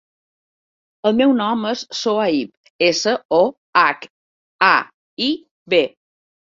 El meu nom és Sohaib: essa, o, hac, a, i, be.